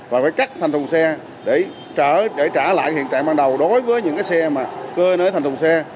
và phải cắt thành thùng xe để trả lại hiện trạng ban đầu đối với những xe cơi nới thành thùng xe